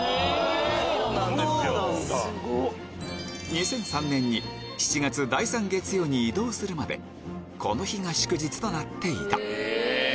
２００３年に７月第３月曜に移動するまでこの日が祝日となっていた